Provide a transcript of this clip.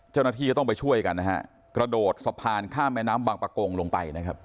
เจ้าหน้าที่ก็ต้องไปช่วยกันนะฮะกระโดดสะพานข้ามแม่น้ำบางประกงลงไปนะครับ